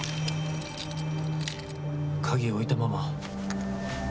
鍵置いたまま。